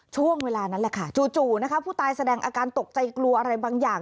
ช่วงเวลานั้นแหละค่ะจู่นะคะผู้ตายแสดงอาการตกใจกลัวอะไรบางอย่าง